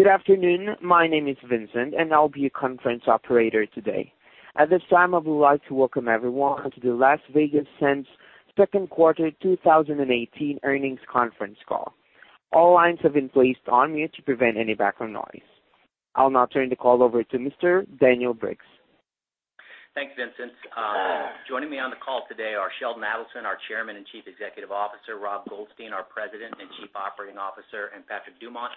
Good afternoon. My name is Vincent, and I'll be your conference operator today. At this time, I would like to welcome everyone to the Las Vegas Sands Second Quarter 2018 Earnings Conference Call. All lines have been placed on mute to prevent any background noise. I'll now turn the call over to Mr. Daniel Briggs. Thanks, Vincent. Joining me on the call today are Sheldon Adelson, our Chairman and Chief Executive Officer, Rob Goldstein, our President and Chief Operating Officer, and Patrick Dumont,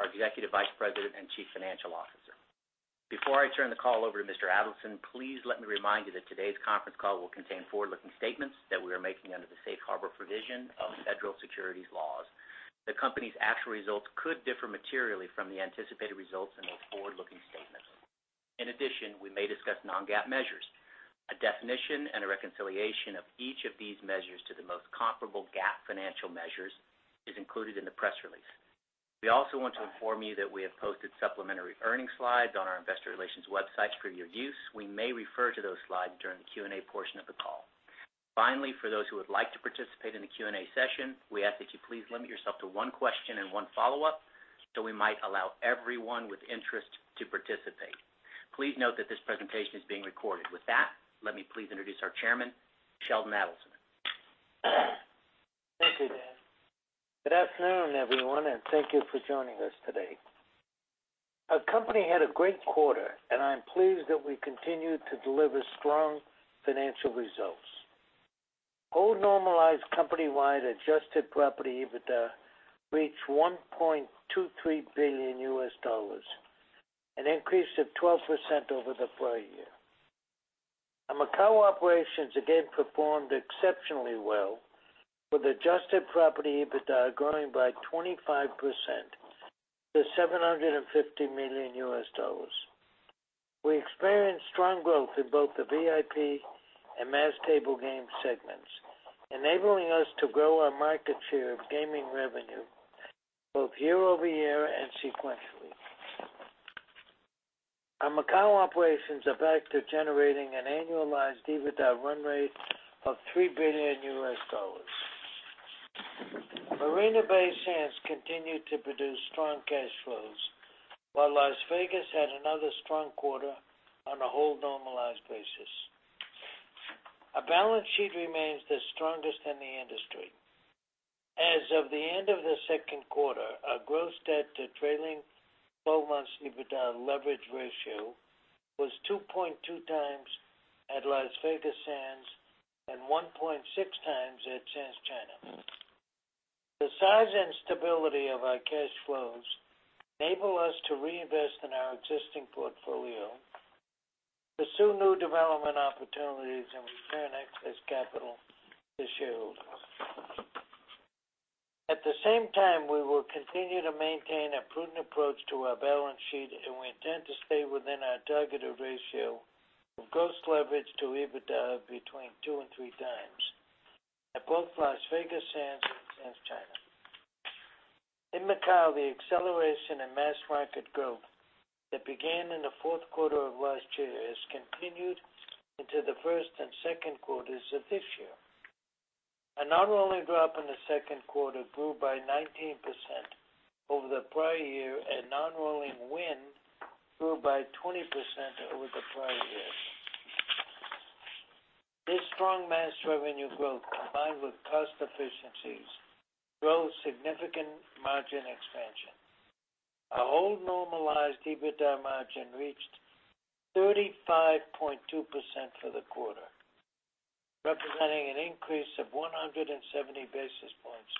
our Executive Vice President and Chief Financial Officer. Before I turn the call over to Mr. Adelson, please let me remind you that today's conference call will contain forward-looking statements that we are making under the safe harbor provision of federal securities laws. We may discuss non-GAAP measures. A definition and a reconciliation of each of these measures to the most comparable GAAP financial measures is included in the press release. We also want to inform you that we have posted supplementary earnings slides on our investor relations website for your use. We may refer to those slides during the Q&A portion of the call. For those who would like to participate in the Q&A session, we ask that you please limit yourself to one question and one follow-up, so we might allow everyone with interest to participate. Please note that this presentation is being recorded. Let me please introduce our Chairman, Sheldon Adelson. Thank you, Dan. Good afternoon, everyone, and thank you for joining us today. Our company had a great quarter, and I'm pleased that we continued to deliver strong financial results. All normalized company-wide adjusted property EBITDA reached $1.23 billion, an increase of 12% over the prior year. Our Macau operations again performed exceptionally well with adjusted property EBITDA growing by 25% to $750 million. We experienced strong growth in both the VIP and mass table game segments, enabling us to grow our market share of gaming revenue both year-over-year and sequentially. Our Macau operations are back to generating an annualized EBITDA run rate of $3 billion. Marina Bay Sands continued to produce strong cash flows, while Las Vegas had another strong quarter on a whole normalized basis. Our balance sheet remains the strongest in the industry. As of the end of the second quarter, our gross debt to trailing 12 months EBITDA leverage ratio was 2.2 times at Las Vegas Sands and 1.6 times at Sands China. The size and stability of our cash flows enable us to reinvest in our existing portfolio, pursue new development opportunities, and return excess capital to shareholders. At the same time, we will continue to maintain a prudent approach to our balance sheet, and we intend to stay within our targeted ratio of gross leverage to EBITDA between two and three times at both Las Vegas Sands and Sands China. In Macau, the acceleration in mass market growth that began in the fourth quarter of last year has continued into the first and second quarters of this year. Our non-rolling drop in the second quarter grew by 19% over the prior year, and non-rolling win grew by 20% over the prior year. This strong mass revenue growth, combined with cost efficiencies, drove significant margin expansion. Our whole normalized EBITDA margin reached 35.2% for the quarter, representing an increase of 170 basis points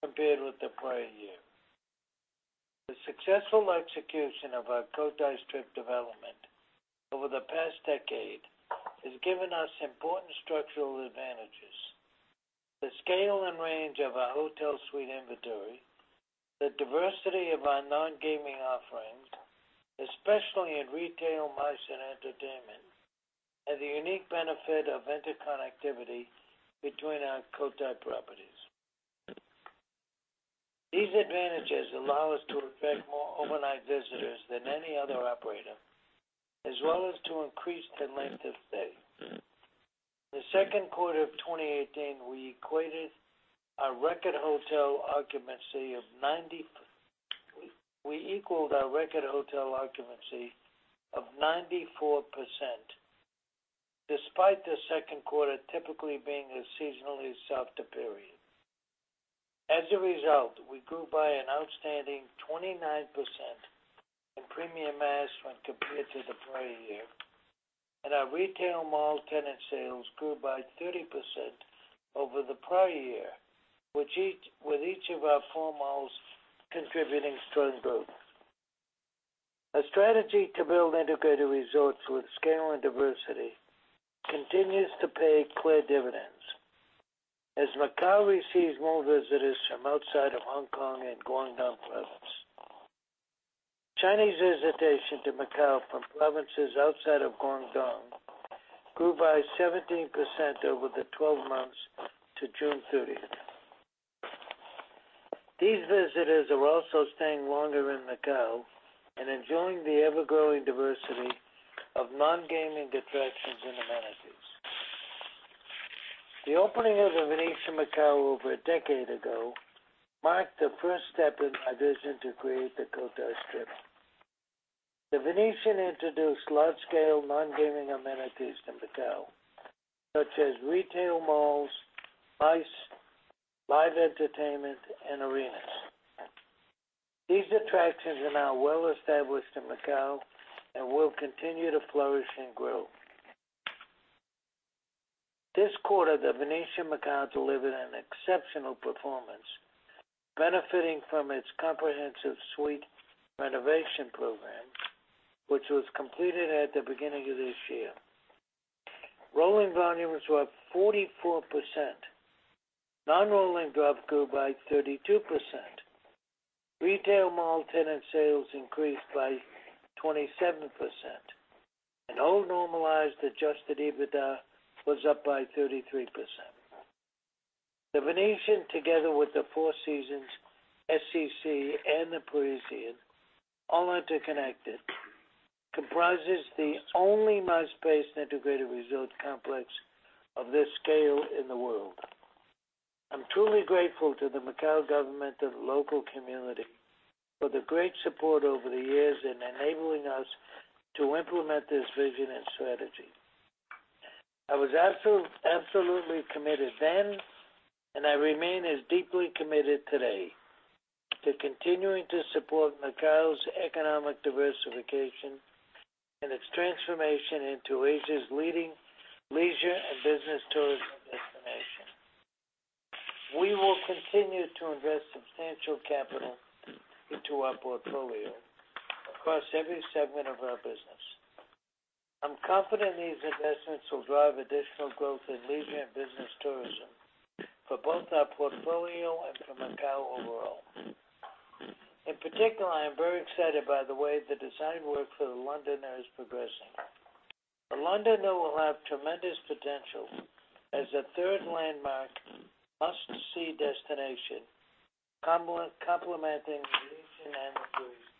compared with the prior year. The successful execution of our Cotai Strip development over the past decade has given us important structural advantages. The scale and range of our hotel suite inventory, the diversity of our non-gaming offerings, especially in retail, MICE, and entertainment, and the unique benefit of interconnectivity between our Cotai properties. These advantages allow us to attract more overnight visitors than any other operator, as well as to increase their length of stay. The second quarter of 2018, we equaled our record hotel occupancy of 94%, despite the second quarter typically being a seasonally softer period. As a result, we grew by an outstanding 29% in premium mass when compared to the prior year, and our retail mall tenant sales grew by 30% over the prior year, with each of our four malls contributing strong growth. Our strategy to build Integrated Resorts with scale and diversity continues to pay clear dividends as Macau receives more visitors from outside of Hong Kong and Guangdong Province. Chinese visitation to Macau from provinces outside of Guangdong grew by 17% over the 12 months to June 30th. These visitors are also staying longer in Macau and enjoying the ever-growing diversity of non-gaming attractions and amenities. The opening of The Venetian Macao over a decade ago marked the first step in my vision to create the Cotai Strip. The Venetian introduced large-scale, non-gaming amenities in Macao, such as retail malls, MICE, live entertainment, and arenas. These attractions are now well established in Macao and will continue to flourish and grow. This quarter, The Venetian Macao delivered an exceptional performance, benefiting from its comprehensive suite renovation program, which was completed at the beginning of this year. Rolling volumes were up 44%. Non-rolling drops grew by 32%. Retail mall tenant sales increased by 27%, and all normalized adjusted EBITDA was up by 33%. The Venetian, together with the Four Seasons, Sands Cotai Central, and The Parisian, all interconnected, comprises the only MICE-based Integrated Resort complex of this scale in the world. I'm truly grateful to the Macao government and local community for the great support over the years in enabling us to implement this vision and strategy. I was absolutely committed then, and I remain as deeply committed today to continuing to support Macao's economic diversification and its transformation into Asia's leading leisure and business tourism destination. We will continue to invest substantial capital into our portfolio across every segment of our business. I'm confident these investments will drive additional growth in leisure and business tourism for both our portfolio and for Macao overall. In particular, I am very excited by the way the design work for The Londoner is progressing. The Londoner will have tremendous potential as a third landmark must-see destination, complementing The Venetian and The Parisian.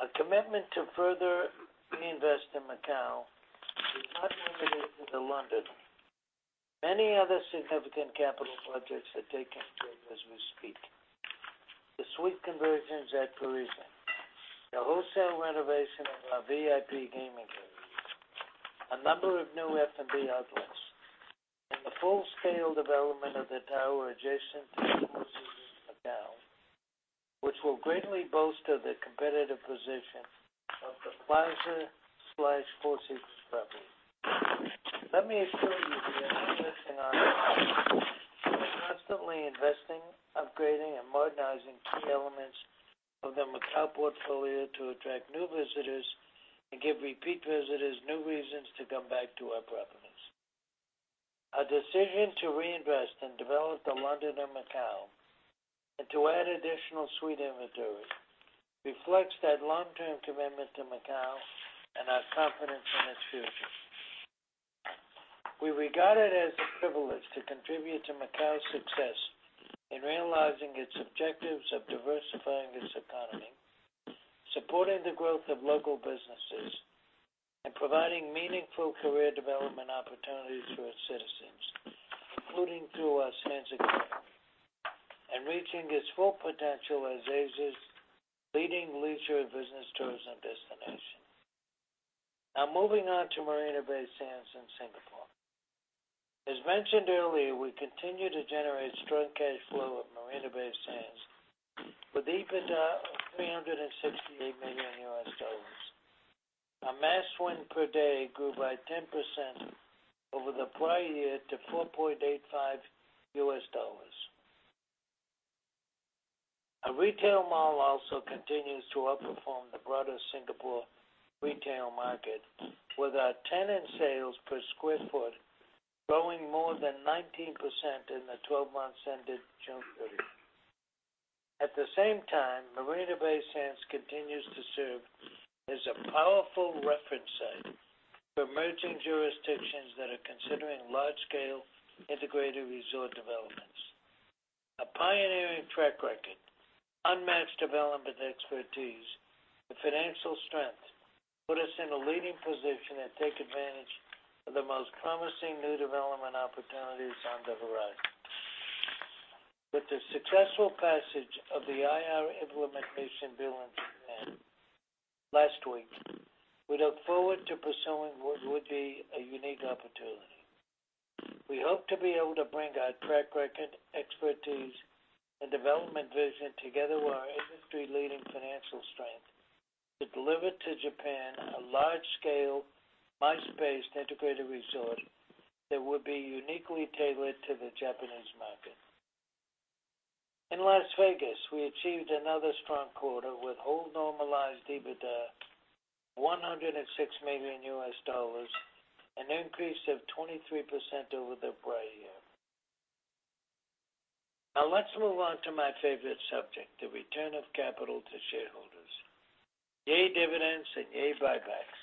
Our commitment to further reinvest in Macao is not limited to The Londoner. Many other significant capital projects are taking shape as we speak. The suite conversions at The Parisian, the wholesale renovation of our VIP gaming areas, a number of new F&B outlets, and the full-scale development of the tower adjacent to Four Seasons Macao, which will greatly bolster the competitive position of The Plaza/Four Seasons property. Let me assure you we are not resting on our laurels. We are constantly investing, upgrading, and modernizing key elements of the Macao portfolio to attract new visitors and give repeat visitors new reasons to come back to our properties. Our decision to reinvest and develop The Londoner Macao and to add additional suite inventory reflects that long-term commitment to Macao and our confidence in its future. We regard it as a privilege to contribute to Macao's success in realizing its objectives of diversifying its economy, supporting the growth of local businesses, and providing meaningful career development opportunities for its citizens, including through our Sands Academy, and reaching its full potential as Asia's leading leisure and business tourism destination. Now, moving on to Marina Bay Sands in Singapore. As mentioned earlier, we continue to generate strong cash flow at Marina Bay Sands with EBITDA of $368 million. Our mass win per day grew by 10% over the prior year to $4.85. Our retail mall also continues to outperform the broader Singapore retail market, with our tenant sales per square foot growing more than 19% in the 12 months ended June 30. At the same time, Marina Bay Sands continues to serve as a powerful reference site for emerging jurisdictions that are considering large-scale Integrated Resort developments. A pioneering track record, unmatched development expertise, and financial strength put us in a leading position and take advantage of the most promising new development opportunities on the horizon. With the successful passage of the IR Implementation Act in Japan last week, we look forward to pursuing what would be a unique opportunity. We hope to be able to bring our track record, expertise, and development vision together with our industry-leading financial strength to deliver to Japan a large-scale MICE-based Integrated Resort that would be uniquely tailored to the Japanese market. In Las Vegas, we achieved another strong quarter with whole normalized EBITDA of $106 million, an increase of 23% over the prior year. Let's move on to my favorite subject, the return of capital to shareholders. Yay, dividends, yay, buybacks.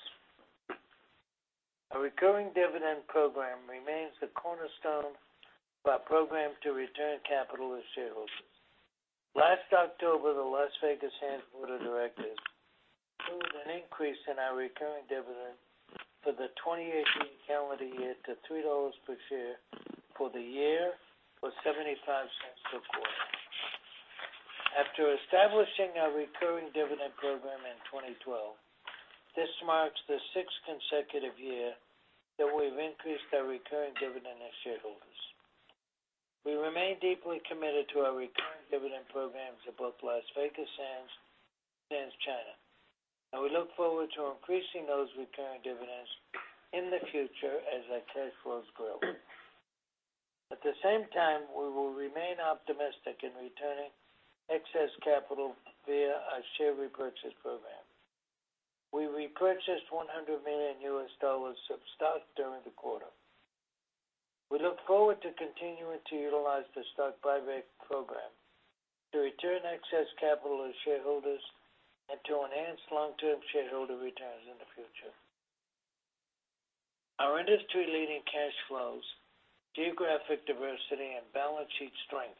Our recurring dividend program remains the cornerstone of our program to return capital to shareholders. Last October, the Las Vegas Sands Board of Directors An increase in our recurring dividend for the 2018 calendar year to $3 per share for the year, or $0.75 per quarter. After establishing our recurring dividend program in 2012, this marks the sixth consecutive year that we've increased our recurring dividend to shareholders. We remain deeply committed to our recurring dividend programs at both Las Vegas Sands China, and we look forward to increasing those recurring dividends in the future as our cash flows grow. At the same time, we will remain optimistic in returning excess capital via our share repurchase program. We repurchased $100 million of stock during the quarter. We look forward to continuing to utilize the stock repurchase program to return excess capital to shareholders and to enhance long-term shareholder returns in the future. Our industry-leading cash flows, geographic diversity, and balance sheet strength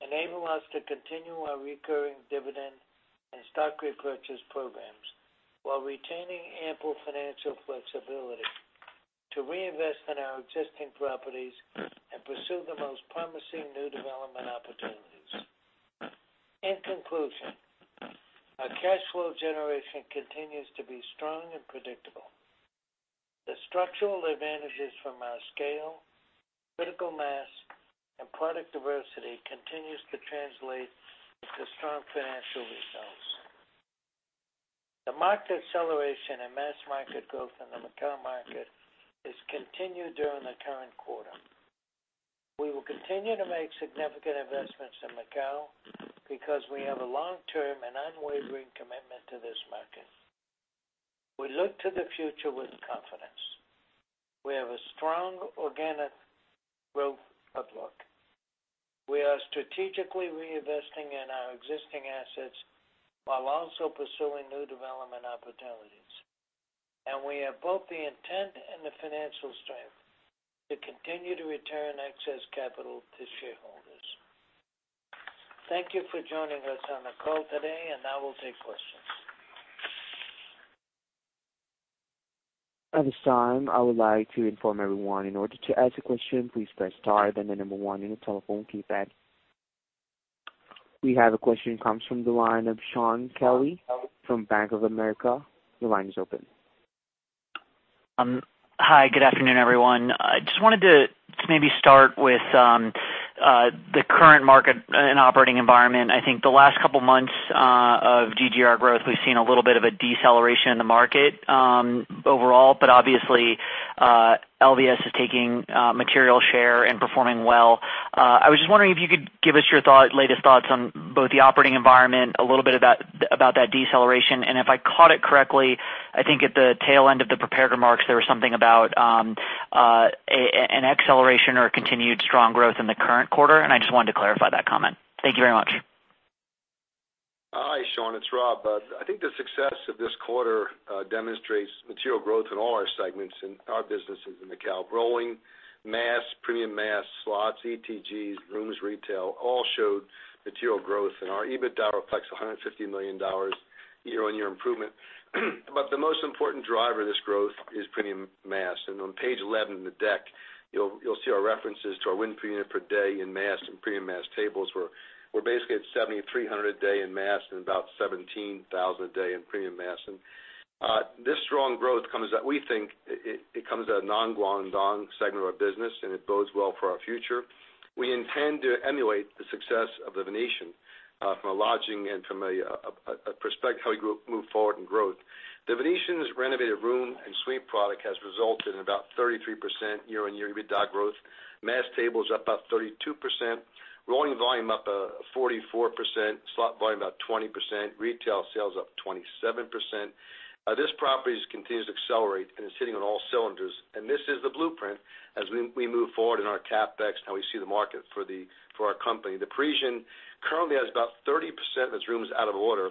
enable us to continue our recurring dividend and stock repurchase programs while retaining ample financial flexibility to reinvest in our existing properties and pursue the most promising new development opportunities. In conclusion, our cash flow generation continues to be strong and predictable. The structural advantages from our scale, critical mass, and product diversity continues to translate into strong financial results. The marked acceleration in mass-market growth in the Macau market has continued during the current quarter. We will continue to make significant investments in Macau because we have a long-term and unwavering commitment to this market. We look to the future with confidence. We have a strong organic growth outlook. We are strategically reinvesting in our existing assets while also pursuing new development opportunities, we have both the intent and the financial strength to continue to return excess capital to shareholders. Thank you for joining us on the call today, now we'll take questions. At this time, I would like to inform everyone in order to ask a question, please press star then the number one on your telephone keypad. We have a question, comes from the line of Shaun Kelley from Bank of America. Your line is open. Hi, good afternoon, everyone. I just wanted to maybe start with the current market and operating environment. I think the last couple months of GGR growth, we've seen a little bit of a deceleration in the market overall, but obviously, LVS is taking material share and performing well. I was just wondering if you could give us your latest thoughts on both the operating environment, a little bit about that deceleration, and if I caught it correctly, I think at the tail end of the prepared remarks, there was something about an acceleration or continued strong growth in the current quarter, and I just wanted to clarify that comment. Thank you very much. Hi, Shaun. It's Rob. I think the success of this quarter demonstrates material growth in all our segments in our businesses in Macau. Rolling, mass, premium mass, slots, ETGs, rooms, retail all showed material growth, and our EBITDA reflects $150 million year-on-year improvement. The most important driver of this growth is premium mass. On page 11 in the deck, you'll see our references to our win per unit per day in mass and premium mass tables where we're basically at 7,300 a day in mass and about 17,000 a day in premium mass. This strong growth comes at, we think, it comes at a non-Guangdong segment of our business, and it bodes well for our future. We intend to emulate the success of The Venetian from a lodging and from a perspective how we move forward in growth. The Venetian's renovated room and suite product has resulted in about 33% year-on-year EBITDA growth. Mass tables up about 32%, rolling volume up 44%, slot volume about 20%, retail sales up 27%. This property continues to accelerate and is hitting on all cylinders, and this is the blueprint as we move forward in our CapEx and how we see the market for our company. The Parisian currently has about 30% of its rooms out of order.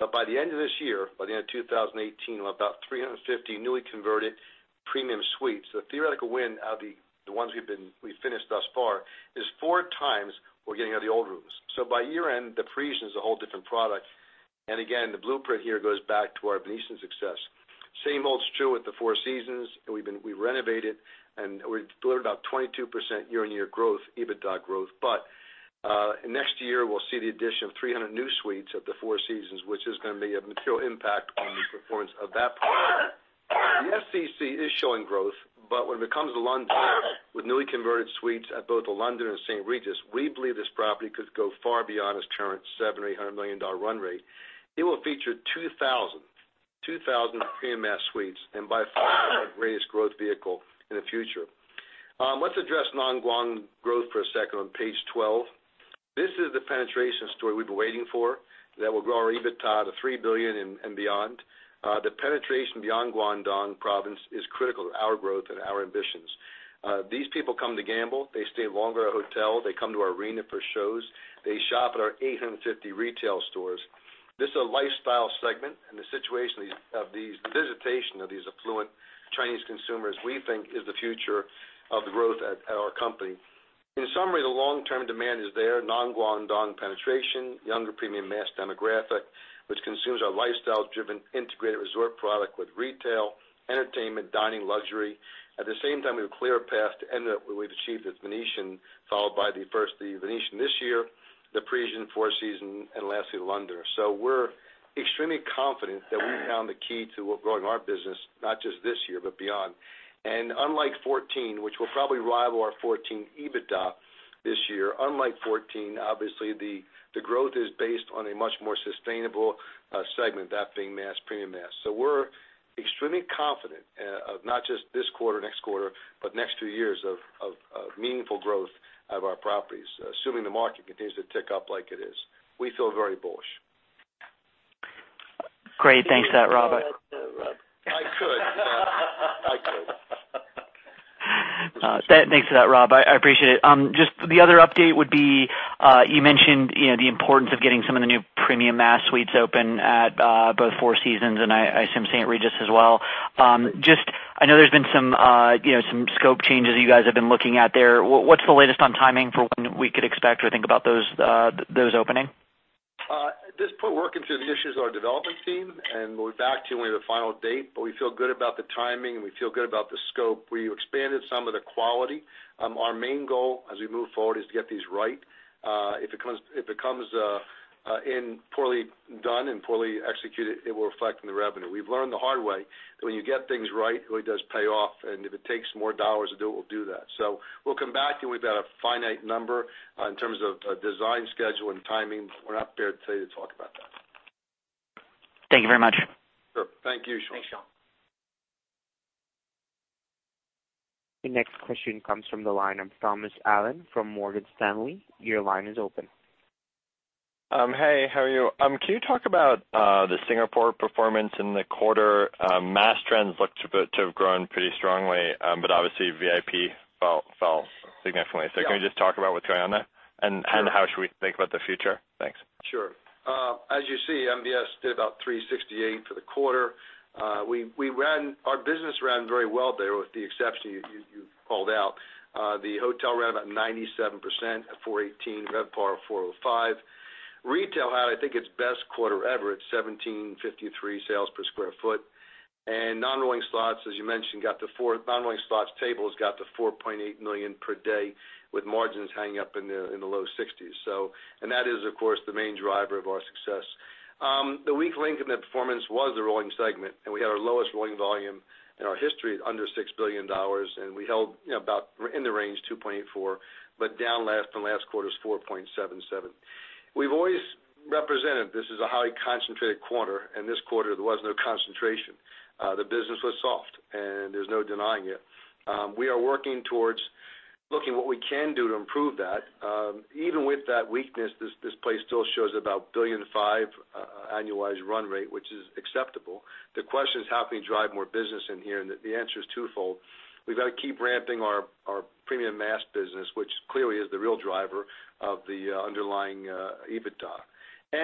By the end of this year, by the end of 2018, we'll have about 350 newly converted premium suites. The theoretical win out of the ones we've finished thus far is four times we're getting out of the old rooms. By year-end, The Parisian is a whole different product. Again, the blueprint here goes back to our Venetian success. Same holds true with the Four Seasons. We renovated, we delivered about 22% year-on-year growth, EBITDA growth. Next year, we'll see the addition of 300 new suites at the Four Seasons, which is going to be a material impact on the performance of that property. The SCC is showing growth, but when it becomes London with newly converted suites at both the London and St. Regis, we believe this property could go far beyond its current $700 million or $800 million run rate. It will feature 2,000 premium mass suites and by far our greatest growth vehicle in the future. Let's address non-Guangdong growth for a second on page 12. This is the penetration story we've been waiting for that will grow our EBITDA to $3 billion and beyond. The penetration beyond Guangdong province is critical to our growth and our ambitions. These people come to gamble. They stay longer at hotels. They come to our arena for shows. They shop at our 850 retail stores. The situation of these visitation of these affluent Chinese consumers, we think is the future of the growth at our company. In summary, the long-term demand is there. Non-Guangdong penetration, younger premium mass demographic, which consumes our lifestyle-driven Integrated Resort product with retail, entertainment, dining, luxury. At the same time, we have a clear path to end up where we've achieved with Venetian, followed by the first, the Venetian this year, the Parisian, Four Seasons, and lastly, London. We're extremely confident that we found the key to growing our business, not just this year, but beyond. Unlike 2014, which will probably rival our 2014 EBITDA this year, unlike 2014, obviously, the growth is based on a much more sustainable segment, that being mass, premium mass. We're extremely confident of not just this quarter, next quarter, but next two years of meaningful growth of our properties, assuming the market continues to tick up like it is. We feel very bullish. Great. Thanks for that, Rob. I could. Thanks for that, Rob. I appreciate it. The other update would be, you mentioned the importance of getting some of the new premium mass suites open at both Four Seasons and I assume St. Regis as well. I know there's been some scope changes you guys have been looking at there. What's the latest on timing for when we could expect or think about those opening? At this point, we're working through the issues with our development team, and we'll be back to you with a final date. We feel good about the timing, and we feel good about the scope. We expanded some of the quality. Our main goal as we move forward is to get these right. If it comes in poorly done and poorly executed, it will reflect in the revenue. We've learned the hard way that when you get things right, it really does pay off, and if it takes more dollars to do it, we'll do that. We'll come back to you with a finite number in terms of design schedule and timing. We're not prepared today to talk about that. Thank you very much. Sure. Thank you, Shaun. Thanks, Shaun. The next question comes from the line of Thomas Allen from Morgan Stanley. Your line is open. Hey, how are you? Can you talk about the Singapore performance in the quarter? Mass trends look to have grown pretty strongly, but obviously VIP fell significantly. Yeah. Can you just talk about what's going on there? Sure. How should we think about the future? Thanks. Sure. As you see, MBS did about $368 for the quarter. Our business ran very well there, with the exception you called out. The hotel ran about 97% at $418, RevPAR of $405. Retail had, I think, its best quarter ever at 1,753 sales per square foot. non-rolling slots, as you mentioned, non-rolling slots tables got to $4.8 million per day, with margins hanging up in the low 60s. That is, of course, the main driver of our success. The weak link in that performance was the rolling segment, and we had our lowest rolling volume in our history at under $6 billion, and we held about in the range 2.84%, but down from last quarter's 4.77%. We've always represented this as a highly concentrated quarter, and this quarter there was no concentration. The business was soft, and there's no denying it. We are working towards looking what we can do to improve that. Even with that weakness, this place still shows about $1.5 billion annualized run rate, which is acceptable. The question is how can we drive more business in here, and the answer is twofold. We've got to keep ramping our premium mass business, which clearly is the real driver of the underlying EBITDA.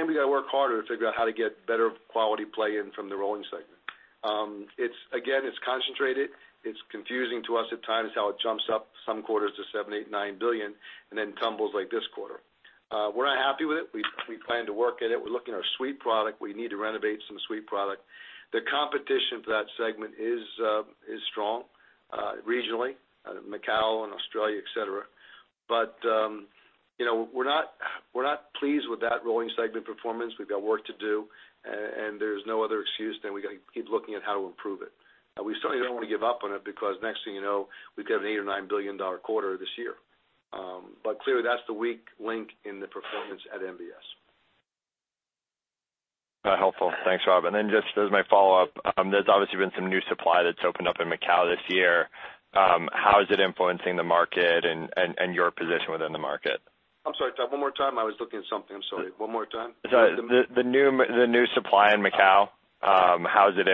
We got to work harder to figure out how to get better quality play in from the rolling segment. Again, it's concentrated. It's confusing to us at times how it jumps up some quarters to $7 billion, $8 billion, $9 billion and then tumbles like this quarter. We're not happy with it. We plan to work at it. We're looking at our suite product. We need to renovate some suite product. The competition for that segment is strong regionally, Macau and Australia, et cetera. We're not pleased with that rolling segment performance. We've got work to do, and there's no other excuse than we got to keep looking at how to improve it. We certainly don't want to give up on it because next thing you know, we could have an $8 billion or $9 billion quarter this year. Clearly, that's the weak link in the performance at MBS. Helpful. Thanks, Rob. Just as my follow-up, there's obviously been some new supply that's opened up in Macau this year. How is it influencing the market and your position within the market? I'm sorry, Tom, one more time. I was looking at something. I'm sorry, one more time. The new supply in Macau, how is it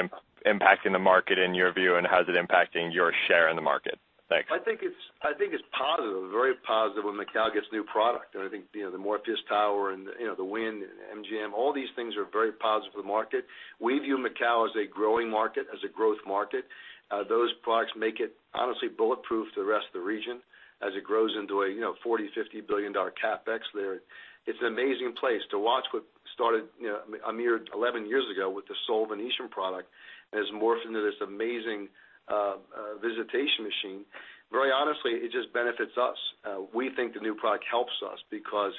impacting the market in your view, and how is it impacting your share in the market? Thanks. I think it's positive, very positive when Macau gets new product. I think the Morpheus tower and Wynn and MGM, all these things are very positive for the market. We view Macau as a growing market, as a growth market. Those products make it honestly bulletproof to the rest of the region as it grows into a $40 billion-$50 billion CapEx there. It's an amazing place to watch what started a mere 11 years ago with the sole Venetian product and has morphed into this amazing visitation machine. Very honestly, it just benefits us. We think the new product helps us because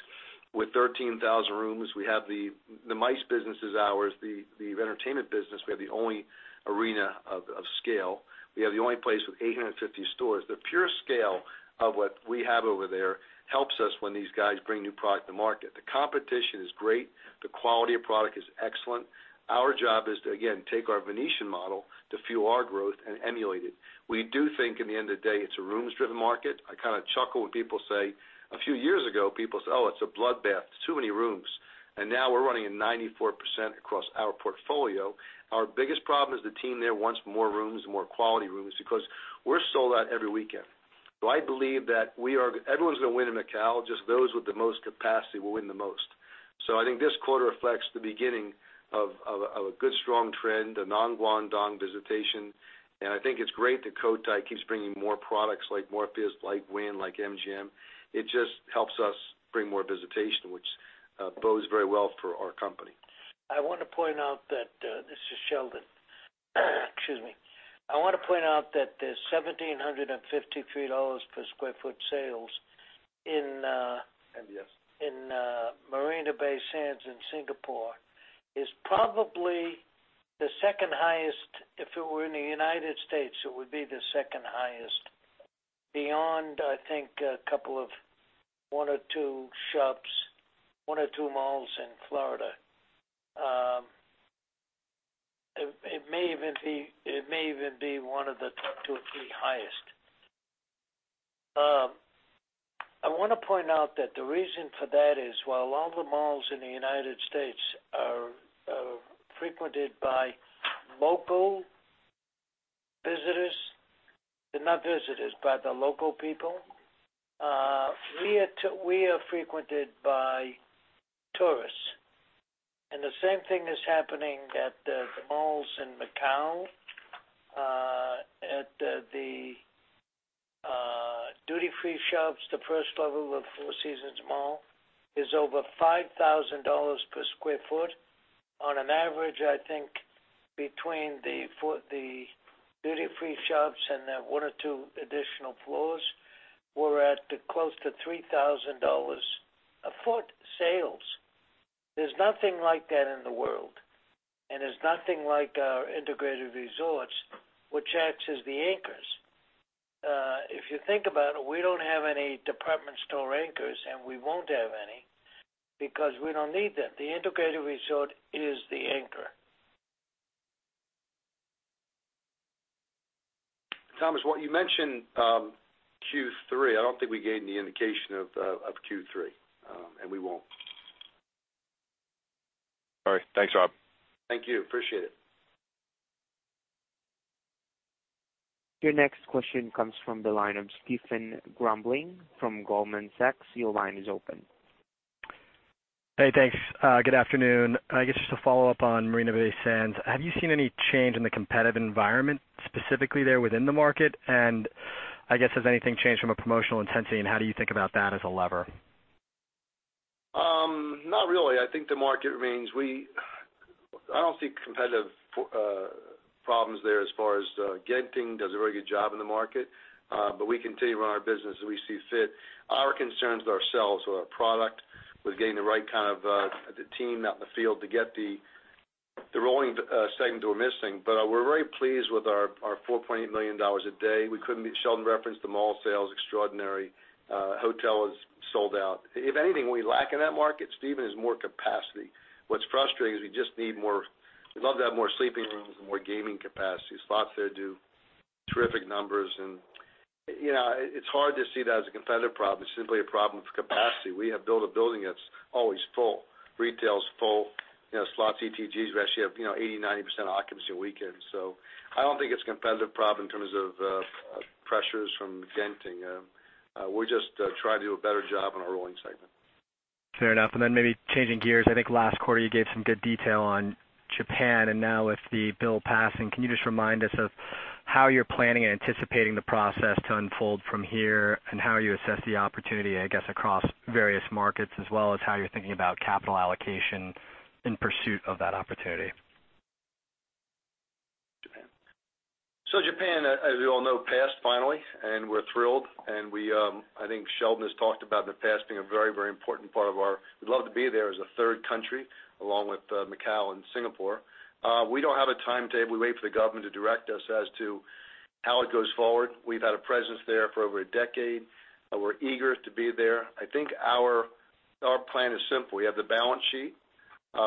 with 13,000 rooms, we have the MICE business is ours, the entertainment business, we have the only arena of scale. We have the only place with 850 stores. The pure scale of what we have over there helps us when these guys bring new product to market. The competition is great. The quality of product is excellent. Our job is to, again, take our Venetian model to fuel our growth and emulate it. We do think in the end of the day, it's a rooms-driven market. I kind of chuckle when people say, a few years ago, people said, "Oh, it's a bloodbath. There's too many rooms." Now we're running at 94% across our portfolio. Our biggest problem is the team there wants more rooms and more quality rooms because we're sold out every weekend. I believe that everyone's going to win in Macau, just those with the most capacity will win the most. I think this quarter reflects the beginning of a good, strong trend, the non-Guangdong visitation, and I think it's great that Cotai keeps bringing more products like Morpheus, like Wynn, like MGM. It just helps us bring more visitation, which bodes very well for our company. I want to point out that this is Sheldon. Excuse me. I want to point out that the $1,753 per square foot sales MBS in Marina Bay Sands in Singapore is probably the second highest. If it were in the United States, it would be the second highest beyond, I think, a couple of one or two shops, one or two malls in Florida. It may even be one of the top two or three highest. I want to point out that the reason for that is while all the malls in the United States are frequented by local visitors, not visitors, by the local people, we are frequented by tourists, and the same thing is happening at the malls in Macau. At the duty-free shops, the first level of Shoppes at Four Seasons is over $5,000 per square foot. On average, I think between the duty-free shops and the one or two additional floors, we're at close to $3,000 a foot sales. There's nothing like that in the world, and there's nothing like our Integrated Resorts, which acts as the anchors. If you think about it, we don't have any department store anchors, and we won't have any because we don't need them. The Integrated Resort is the anchor. Thomas, what you mentioned, Q3, I don't think we gave any indication of Q3, and we won't. All right. Thanks, Rob. Thank you. Appreciate it. Your next question comes from the line of Stephen Grambling from Goldman Sachs. Your line is open. Hey, thanks. Good afternoon. I guess just to follow up on Marina Bay Sands, have you seen any change in the competitive environment, specifically there within the market? I guess, has anything changed from a promotional intensity, and how do you think about that as a lever? Not really. I think the market remains. I don't see competitive problems there as far as Genting does a very good job in the market. We continue to run our business as we see fit. Our concerns are ourselves or our product. We're getting the right kind of the team out in the field to get the rolling segment that we're missing. We're very pleased with our $4.8 million a day. Sheldon referenced the mall sales, extraordinary. Hotel is sold out. If anything, we lack in that market, Stephen, is more capacity. What's frustrating is we'd love to have more sleeping rooms and more gaming capacity. Slots there do terrific numbers. It's hard to see that as a competitive problem. It's simply a problem of capacity. We have built a building that's always full. Retail's full. Slots, ETGs, we actually have 80%, 90% occupancy on weekends. I don't think it's a competitive problem in terms of pressures from Genting. We'll just try to do a better job on our rolling segment. Fair enough. Maybe changing gears, I think last quarter, you gave some good detail on Japan, and now with the bill passing, can you just remind us of how you're planning and anticipating the process to unfold from here? How you assess the opportunity, I guess, across various markets, as well as how you're thinking about capital allocation in pursuit of that opportunity? Japan. Japan, as we all know, passed finally, we're thrilled. I think Sheldon has talked about the pass being a very important part of our, we'd love to be there as a third country, along with Macau and Singapore. We don't have a timetable. We wait for the government to direct us as to how it goes forward. We've had a presence there for over a decade. We're eager to be there. I think our plan is simple. We have the balance sheet.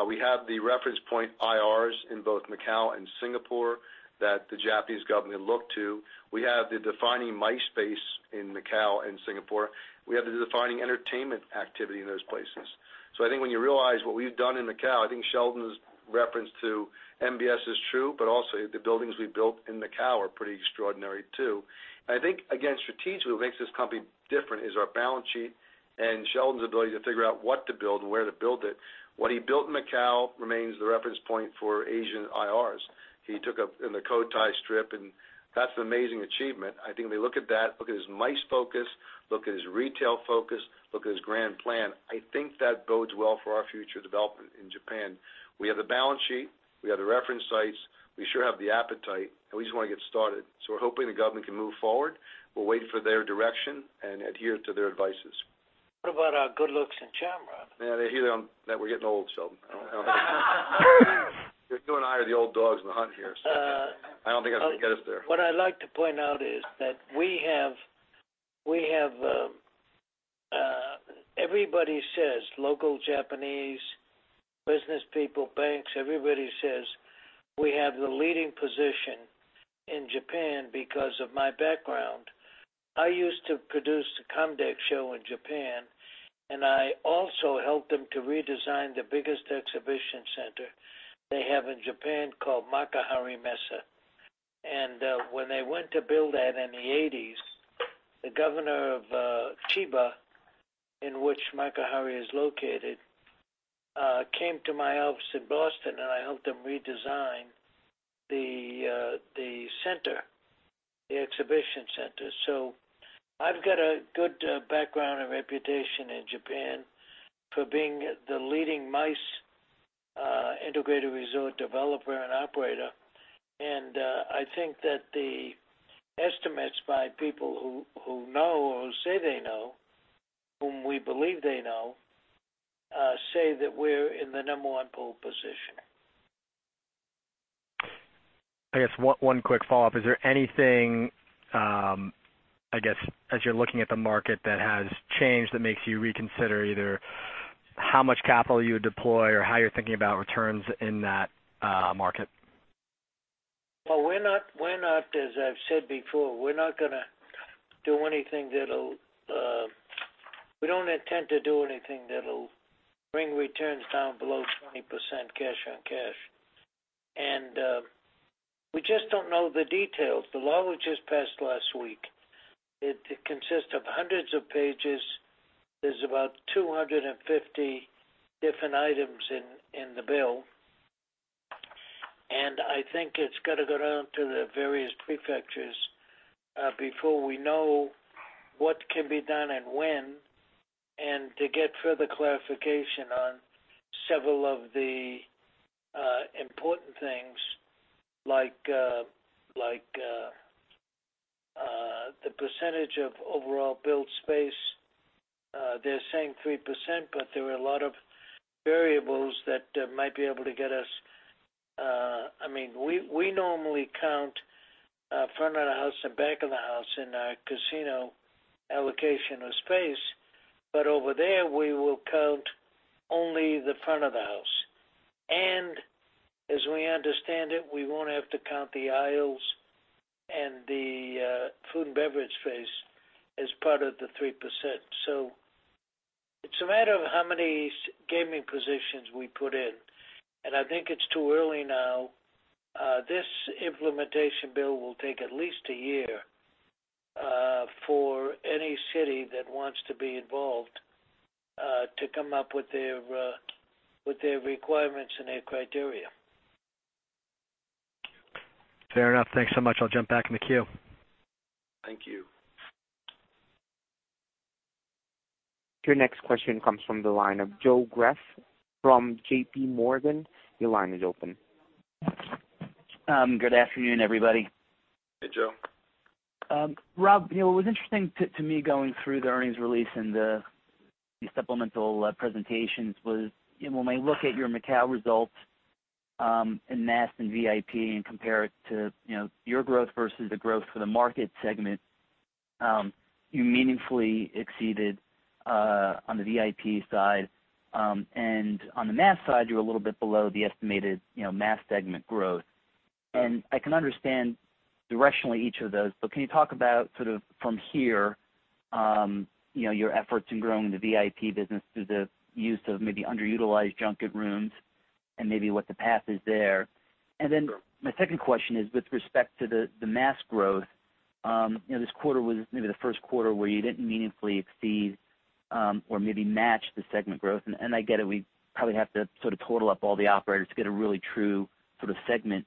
We have the reference point IRs in both Macau and Singapore that the Japanese government look to. We have the defining MICE space in Macau and Singapore. We have the defining entertainment activity in those places. I think when you realize what we've done in Macau, I think Sheldon's reference to MBS is true, also the buildings we built in Macau are pretty extraordinary, too. I think, again, strategically, what makes this company different is our balance sheet and Sheldon's ability to figure out what to build and where to build it. What he built in Macau remains the reference point for Asian IRs. He took in the Cotai Strip, that's an amazing achievement. I think they look at that, look at his MICE focus, look at his retail focus, look at his grand plan. I think that bodes well for our future development in Japan. We have the balance sheet. We have the reference sites. We sure have the appetite, we just want to get started. We're hoping the government can move forward. We'll wait for their direction and adhere to their advices. What about our good looks and charm, Rob? Yeah, they hear that we're getting old, Sheldon. You and I are the old dogs in the hunt here, Sheldon. I don't think that's going to get us there. What I'd like to point out is that everybody says, local Japanese business people, banks, everybody says we have the leading position in Japan because of my background. I used to produce the COMDEX show in Japan, and I also helped them to redesign the biggest exhibition center they have in Japan called Makuhari Messe. When they went to build that in the '80s. The governor of Chiba, in which Makuhari is located, came to my office in Boston, and I helped them redesign the exhibition center. I've got a good background and reputation in Japan for being the leading MICE Integrated Resort developer and operator. I think that the estimates by people who know or who say they know, whom we believe they know, say that we're in the number one pole position. I guess one quick follow-up. Is there anything, I guess, as you're looking at the market that has changed, that makes you reconsider either how much capital you deploy or how you're thinking about returns in that market? Well, as I've said before, we don't intend to do anything that will bring returns down below 20% cash on cash. We just don't know the details. The law which just passed last week, it consists of hundreds of pages. There are about 250 different items in the bill. I think it has to go down to the various prefectures, before we know what can be done and when, and to get further clarification on several of the important things like the percentage of overall build space. They are saying 3%, but there were a lot of variables that might be able to get us. We normally count front of the house and back of the house in our casino allocation of space. Over there, we will count only the front of the house. As we understand it, we won't have to count the aisles and the food and beverage space as part of the 3%. It's a matter of how many gaming positions we put in, and I think it's too early now. This implementation bill will take at least a year, for any city that wants to be involved, to come up with their requirements and their criteria. Fair enough. Thanks so much. I'll jump back in the queue. Thank you. Your next question comes from the line of Joseph Greff from J.P. Morgan. Your line is open. Good afternoon, everybody. Hey, Joe. Rob, what was interesting to me going through the earnings release and the supplemental presentations was, when we look at your Macau results, in mass and VIP and compare it to your growth versus the growth for the market segment, you meaningfully exceeded on the VIP side. On the mass side, you're a little bit below the estimated mass segment growth. I can understand directionally each of those, but can you talk about sort of from here, your efforts in growing the VIP business through the use of maybe underutilized junket rooms and maybe what the path is there? Then my second question is with respect to the mass growth. This quarter was maybe the first quarter where you didn't meaningfully exceed or maybe match the segment growth. I get it, we probably have to sort of total up all the operators to get a really true sort of segment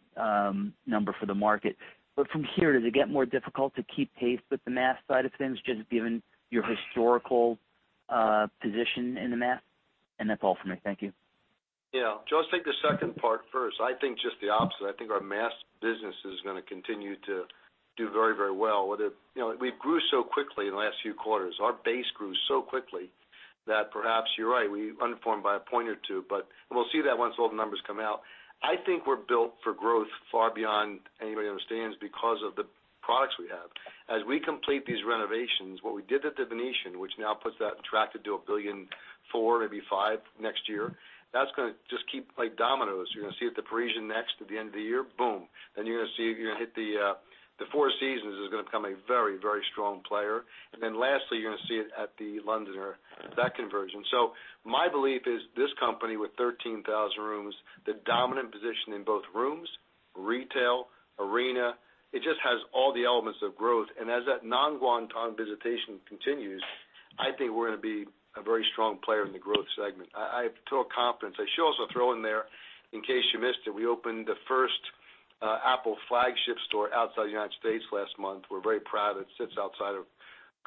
number for the market. From here, does it get more difficult to keep pace with the mass side of things, just given your historical position in the mass? That's all for me. Thank you. Yeah. Joe, I'll take the second part first. I think just the opposite. I think our mass business is going to continue to do very well. We grew so quickly in the last few quarters. Our base grew so quickly that perhaps you're right, we underperformed by a point or two, but we'll see that once all the numbers come out. I think we're built for growth far beyond anybody understands because of the products we have. As we complete these renovations, what we did at The Venetian, which now puts that attracted to $1.4 billion, maybe $1.5 billion next year. That's going to just keep like dominoes. You're going to see at The Parisian next at the end of the year, boom. You're going to hit The Four Seasons is going to become a very strong player. Lastly, you're going to see it at The Londoner, that conversion. My belief is this company with 13,000 rooms, the dominant position in both rooms, retail, arena, it just has all the elements of growth. As that non-Guangdong visitation continues, I think we're going to be a very strong player in the growth segment. I have total confidence. I should also throw in there, in case you missed it, we opened the first Apple flagship store outside the U.S. last month. We're very proud. It sits outside of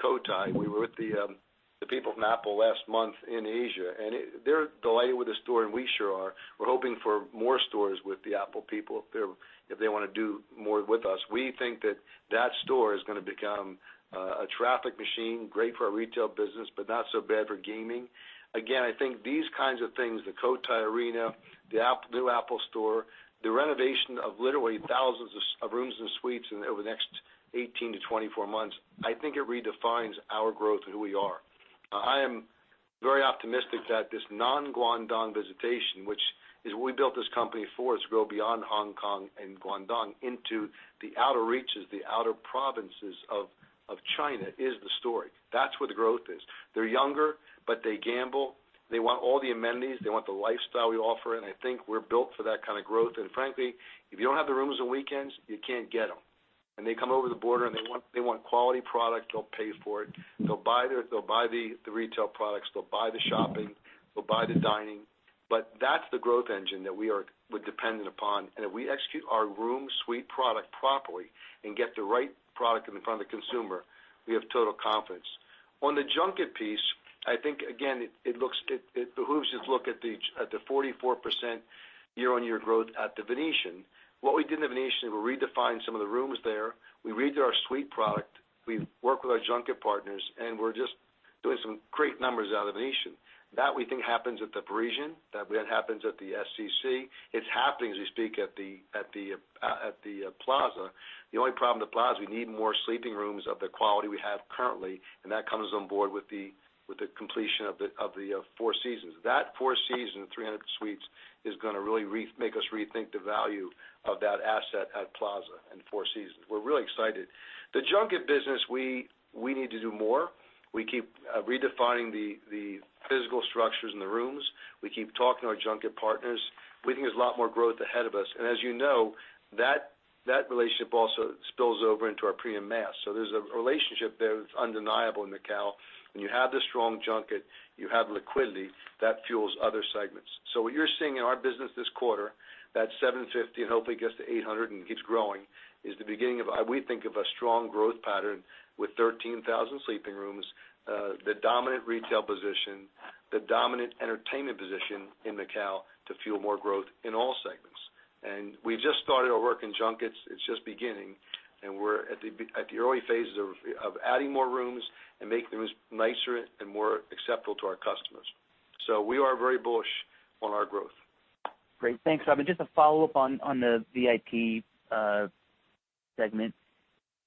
Cotai. We were with the people from Apple last month in Asia, and they're delighted with the store, and we sure are. We're hoping for more stores with the Apple people if they want to do more with us. We think that that store is going to become a traffic machine. Great for our retail business, but not so bad for gaming. Again, I think these kinds of things, the Cotai Arena, the new Apple store, the renovation of literally thousands of rooms and suites over the next 18 to 24 months, I think it redefines our growth and who we are. I am very optimistic that this non-Guangdong visitation, which is what we built this company for, is to grow beyond Hong Kong and Guangdong into the outer reaches, the outer provinces of China, is the story. That's where the growth is. They're younger, but they gamble. They want all the amenities, they want the lifestyle we offer, and I think we're built for that kind of growth. Frankly, if you don't have the rooms on weekends, you can't get them. They come over the border, and they want quality product. They'll pay for it. They'll buy the retail products. They'll buy the shopping. They'll buy the dining. That's the growth engine that we are dependent upon. If we execute our room suite product properly and get the right product in front of the consumer, we have total confidence. On the junket piece, I think, again, it behooves you to look at the 44% year-on-year growth at the Venetian. What we did in the Venetian, we redefined some of the rooms there. We redid our suite product. We've worked with our junket partners, and we're just doing some great numbers out of Venetian. That we think happens at the Parisian. That happens at the SCC. It's happening as we speak at the Plaza. The only problem at the Plaza, we need more sleeping rooms of the quality we have currently, and that comes on board with the completion of the Four Seasons. That Four Seasons, 300 suites, is going to really make us rethink the value of that asset at Plaza and Four Seasons. We're really excited. The junket business, we need to do more. We keep redefining the physical structures in the rooms. We keep talking to our junket partners. We think there's a lot more growth ahead of us. As you know, that relationship also spills over into our premium mass. There's a relationship there that's undeniable in Macau. When you have the strong junket, you have liquidity, that fuels other segments. What you're seeing in our business this quarter, that $750, and hopefully gets to $800 and keeps growing, is the beginning of, we think, of a strong growth pattern with 13,000 sleeping rooms, the dominant retail position, the dominant entertainment position in Macau to fuel more growth in all segments. We've just started our work in junkets. It's just beginning, and we're at the early phases of adding more rooms and making rooms nicer and more acceptable to our customers. We are very bullish on our growth. Great. Thanks, Robert. Just a follow-up on the VIP segment.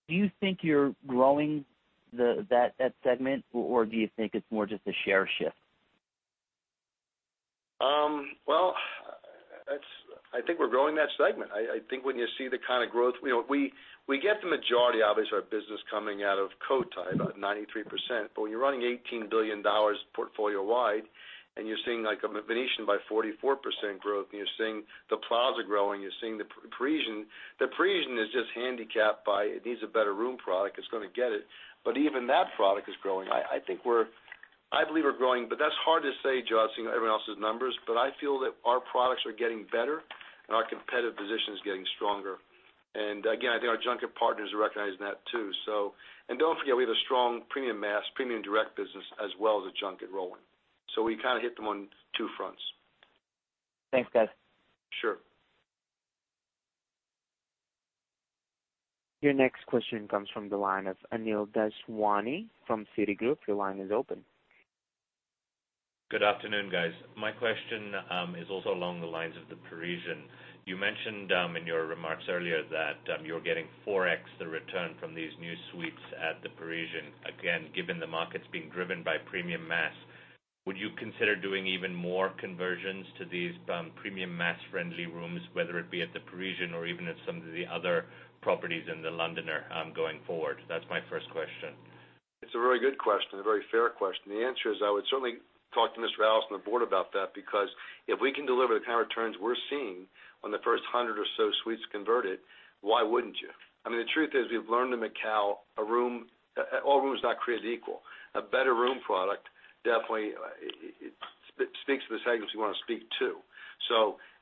Do you think you're growing that segment, or do you think it's more just a share shift? I think we're growing that segment. We get the majority, obviously, our business coming out of Cotai, about 93%. When you're running $18 billion portfolio-wide and you're seeing The Venetian by 44% growth, and you're seeing The Plaza growing, you're seeing The Parisian. The Parisian is just handicapped by. It needs a better room product. It's going to get it. Even that product is growing. I believe we're growing, but that's hard to say, Josh, seeing everyone else's numbers. I feel that our products are getting better, and our competitive position is getting stronger. Again, I think our junket partners are recognizing that, too. Don't forget, we have a strong premium mass, premium direct business, as well as a junket rolling. We kind of hit them on two fronts. Thanks, guys. Sure. Your next question comes from the line of Anil Daswani from Citigroup. Your line is open. Good afternoon, guys. My question is also along the lines of The Parisian. You mentioned in your remarks earlier that you're getting 4X the return from these new suites at The Parisian. Again, given the market's being driven by premium mass, would you consider doing even more conversions to these premium mass-friendly rooms, whether it be at The Parisian or even at some of the other properties in The Londoner going forward? That's my first question. It's a very good question, a very fair question. The answer is I would certainly talk to Mr. Adelson on the board about that, because if we can deliver the kind of returns we're seeing on the first 100 or so suites converted, why wouldn't you? I mean, the truth is, we've learned in Macau, all rooms are not created equal. A better room product definitely speaks to the segments you want to speak to.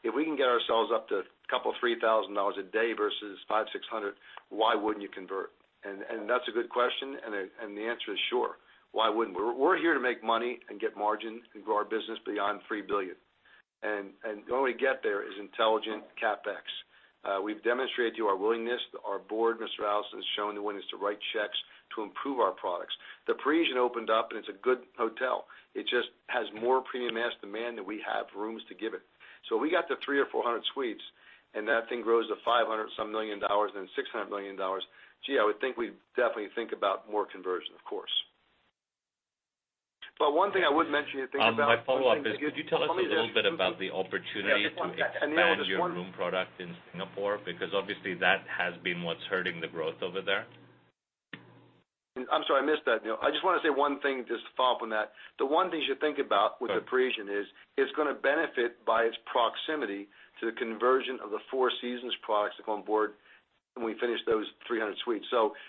If we can get ourselves up to a couple, $3,000 a day versus $500, $600, why wouldn't you convert? That's a good question, and the answer is sure. Why wouldn't we? We're here to make money and get margin and grow our business beyond $3 billion. The only way to get there is intelligent CapEx. We've demonstrated to you our willingness, our board, Mr. Adelson, has shown the willingness to write checks to improve our products. The Parisian opened up, and it's a good hotel. It just has more premium mass demand than we have rooms to give it. We got the 300 or 400 suites, and that thing grows to $500 some million and $600 million. Gee, I would think we'd definitely think about more conversion, of course. One thing I would mention you think about. My follow-up is, could you tell us a little bit about the opportunity to expand your room product in Singapore? Because obviously, that has been what's hurting the growth over there. I'm sorry, I missed that, Anil. I just want to say one thing just to follow up on that. The one thing you should think about with The Parisian is it's going to benefit by its proximity to the conversion of the Four Seasons products to come on board when we finish those 300 suites.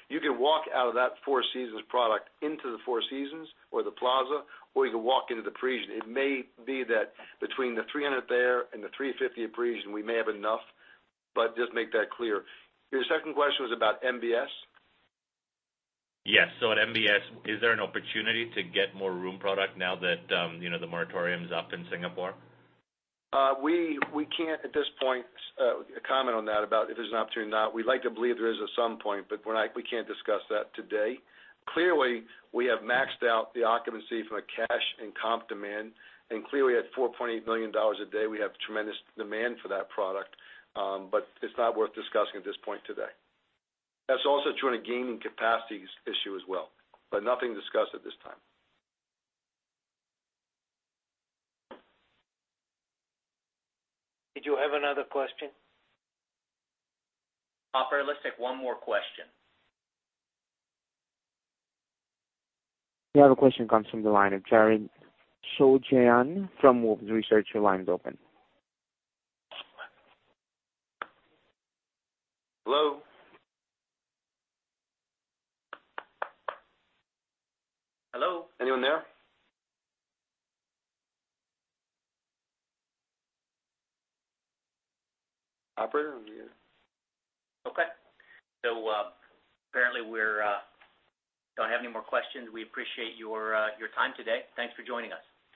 You can walk out of that Four Seasons product into the Four Seasons or The Plaza, or you can walk into The Parisian. It may be that between the 300 there and the 350 at The Parisian, we may have enough, but just make that clear. Your second question was about MBS? Yes. At MBS, is there an opportunity to get more room product now that the moratorium is up in Singapore? We can't, at this point, comment on that about if there's an opportunity or not. We'd like to believe there is at some point, we can't discuss that today. Clearly, we have maxed out the occupancy from a cash and comp demand, clearly at $4.8 million a day, we have tremendous demand for that product, it's not worth discussing at this point today. That's also a gain and capacity issue as well, nothing to discuss at this time. Did you have another question? Operator, let's take one more question. We have a question comes from the line of Jared Shojaian from Wolfe Research. Your line is open. Hello? Hello? Anyone there? Operator? Okay. Apparently, we don't have any more questions. We appreciate your time today. Thanks for joining us.